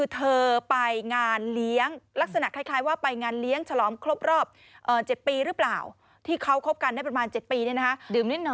ที่เขาคบกันได้ประมาณ๗ปีนี่นะคะ